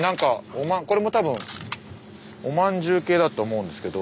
これも多分おまんじゅう系だと思うんですけど。